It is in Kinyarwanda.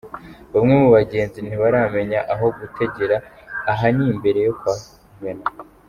Bamwe mu bagenzi ntibaramenya aho gutegera aha ni imbere yo kwa Venant.